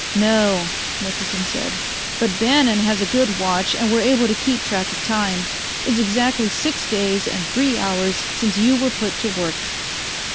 "No," Murchison said. "But Bannon has a good watch and we're able to keep track of time. It's exactly six days and three hours since you were put to work."